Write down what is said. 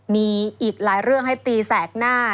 มีอีกหลายเรื่องให้ตีแสกหน้า